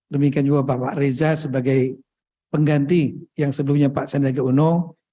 demikian juga bapak reza sebagai pengganti yang sebelumnya pak sandiaga uno